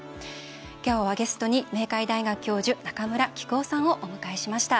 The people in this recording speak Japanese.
今日はゲストに明海大学教授中村喜久夫さんをお迎えしました。